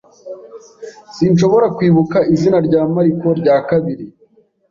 Sinshobora kwibuka izina rya Mariko rya kabiri.